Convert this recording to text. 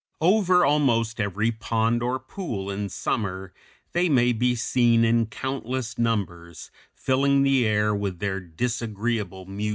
Over almost every pond or pool in summer they may be seen in countless numbers, filling the air with their disagreeable music.